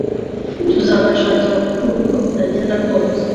Tuzabashakira kuvuga uko byagenda kose.